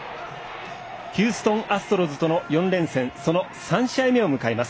ヒューストン・アストロズとの４連戦その３試合目を迎えます。